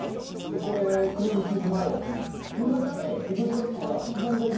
これクリームチーズマヨの中に刻んだいぶりがっこが入ってて。